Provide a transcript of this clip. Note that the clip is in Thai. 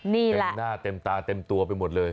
เต็มหน้าเต็มตาเต็มตัวไปหมดเลย